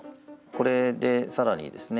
これで更にですね